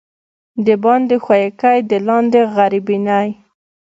دباندي ښويکى، د لاندي غربينى.